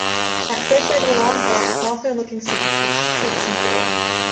At first sight of the long, black Hawthorne-looking seed, she shrieks in fear.